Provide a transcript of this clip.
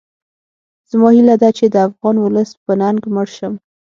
زما هیله ده چې د افغان ولس په ننګ مړ شم